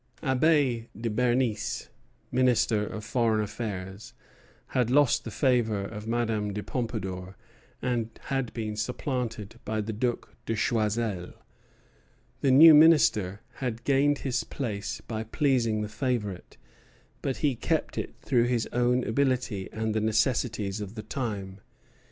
Abbé de Bernis, Minister of Foreign Affairs, had lost the favor of Madame de Pompadour, and had been supplanted by the Duc de Choiseul. The new Minister had gained his place by pleasing the favorite; but he kept it through his own ability and the necessities of the time.